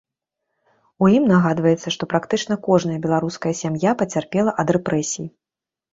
У ім нагадваецца, што практычна кожная беларуская сям'я пацярпела ад рэпрэсій.